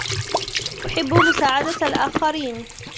أحب مساعدة الآخرين.